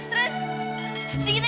sedikit lagi sedikit lagi